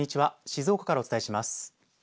静岡からお伝えします。